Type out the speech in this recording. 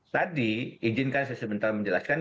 tadi izinkan saya sebentar menjelaskan